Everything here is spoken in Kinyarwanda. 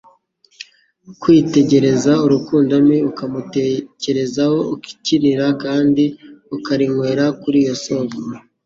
Kwitegereza urukundo me, ukamutekerezaho ukinira kandi ukariywera kuri iyo soko,